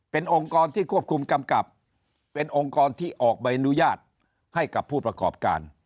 เป็นองค์กรที่ควบคุมกำกับเป็นองค์กรที่ออกใบอนุญาตให้กับผู้ประกอบการ